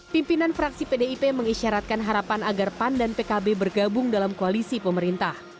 pimpinan fraksi pdip mengisyaratkan harapan agar pan dan pkb bergabung dalam koalisi pemerintah